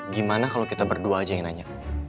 gimana kalau kita berdua aja yang nanya